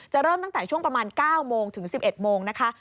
เริ่มตั้งแต่ช่วงประมาณ๙โมงถึง๑๑โมงนะคะ